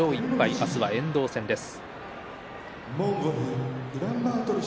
明日は遠藤戦です。